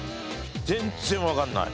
全然わかんない。